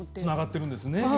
つながっているんですね